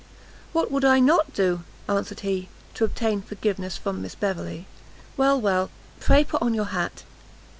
"What would I not do," answered he, "to obtain forgiveness from Miss Beverley?" "Well, well, pray put on your hat."